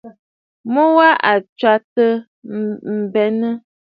Mu wa a tsɛ̂tə̀ m̀benə.